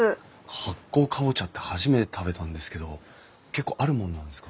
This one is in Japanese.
発酵カボチャって初めて食べたんですけど結構あるもんなんですか？